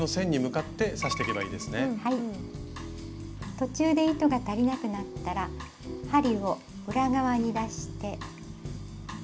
途中で糸が足りなくなったら針を裏側に出して。